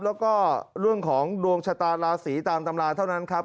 แล้วก็เรื่องของดวงชะตาราศีตามตำราเท่านั้นครับ